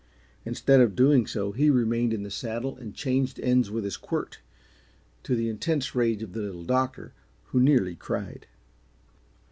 Instead of doing so, he remained in the saddle and changed ends with his quirt, to the intense rage of the Little Doctor, who nearly cried.